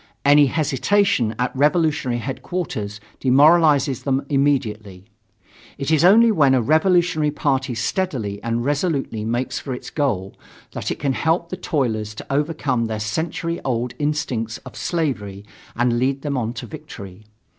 Any hesitation at revolutionary headquarters demoralizes them immediately. It is only when a revolutionary party steadily and resolutely makes for its goal, that it can help the toilers to overcome their century old instincts of slavery and lead them on to victory.